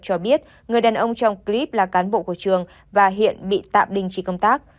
cho biết người đàn ông trong clip là cán bộ của trường và hiện bị tạm đình chỉ công tác